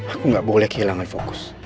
aku gak boleh kehilangan fokus